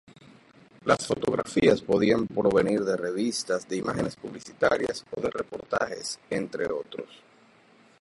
Las fotografías podían provenir de revistas, de imágenes publicitarias o de reportajes, entre otros.